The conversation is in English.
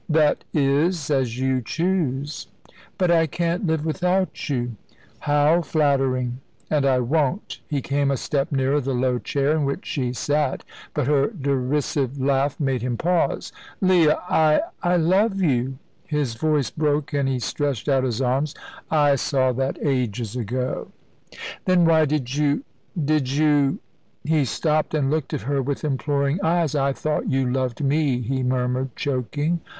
"That is as you choose." "But I can't live without you." "How flattering!" "And I won't"; he came a step nearer the low chair in which she sat, but her derisive laugh made him pause. "Leah I I love you!" His voice broke, and he stretched out his arms. "I saw that ages ago." "Then why did you did you?" He stopped, and looked at her with imploring eyes. "I thought you loved me," he murmured, choking.